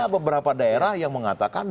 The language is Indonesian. beberapa daerah yang mengatakan